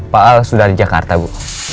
pak al sudah di jakarta bu